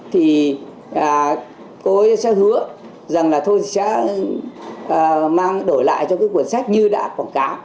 thì cô ấy sẽ hứa rằng là thôi thì sẽ mang đổi lại cho cái cuốn sách như đã quảng cáo